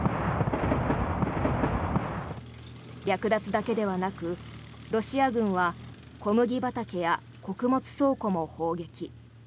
略奪だけではなくロシア軍は小麦畑や穀物倉庫も砲撃。